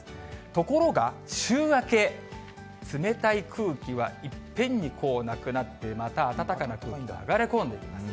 ところが、週明け、冷たい空気はいっぺんになくなって、また暖かな空気が流れ込んできます。